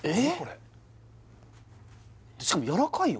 しかもやわらかいよ